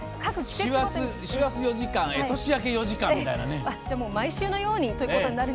師走４時間年明け４時間みたいな。